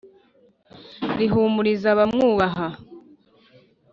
Rihumuriza abamwubaha